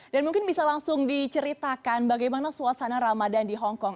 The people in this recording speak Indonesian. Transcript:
dan mungkin bisa langsung diceritakan bagaimana suasana ramadan di hongkong